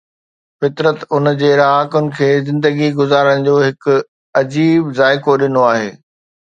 فطرت ان جي رهاڪن کي زندگي گذارڻ جو هڪ عجيب ذائقو ڏنو آهي.